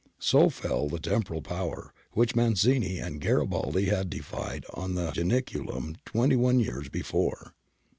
So fell the Temporal Power, which Mazzini and Garibaldi had defied on the Janiculum twenty one years before.